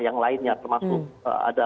yang lainnya termasuk ada